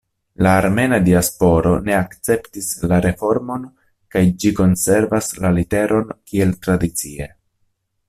La armena diasporo ne akceptis la reformon kaj ĝi konservas la literon kiel tradicie.